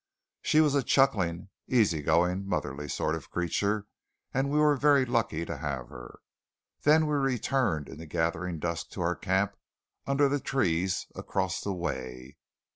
She was a chuckling, easy going, motherly sort of creature, and we were very lucky to have her. Then we returned in the gathering dusk to our camp under the trees across the way.